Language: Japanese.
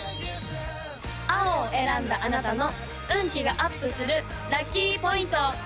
青を選んだあなたの運気がアップするラッキーポイント！